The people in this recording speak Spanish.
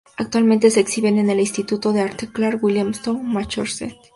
Actualmente se exhibe en el Instituto de Arte Clark, Williamstown, Massachusetts.